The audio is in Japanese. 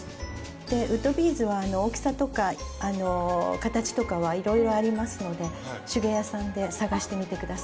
でウッドビーズは大きさとか形とかはいろいろありますので手芸屋さんで探してみてください。